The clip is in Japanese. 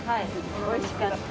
おいしかった。